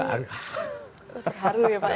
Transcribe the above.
terharu ya pak ya